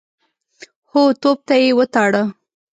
هو، توپ ته يې وتاړه.